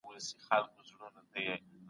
ټولنیز علوم د چاپېریال له مخي بدلون مومي.